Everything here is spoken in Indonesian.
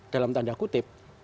dalam tanda kutip